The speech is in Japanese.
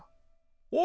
お！